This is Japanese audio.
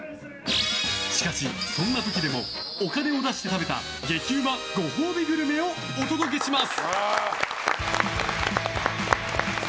しかしそんな時でもお金を出して食べた激うまご褒美グルメをお届けします。